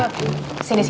sini sini aku pegangin